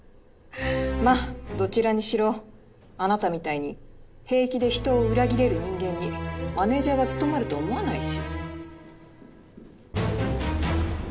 まぁどちらにしろあなたみたいに平気で人を裏切れる人間にマネージャーが務まると思わないし。